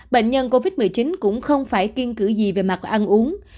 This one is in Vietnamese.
bệnh nhân covid một mươi chín cũng không phải kiên cử gì về mặt ăn uống